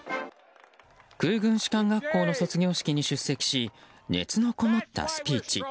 空軍士官学校の卒業式に出席し熱のこもったスピーチ。